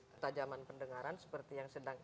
ketajaman pendengaran seperti yang sedang